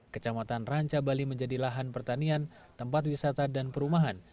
kecamatan rancabali menjadi lahan pertanian tempat wisata dan perumahan